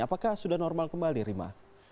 apakah sudah normal kembali rima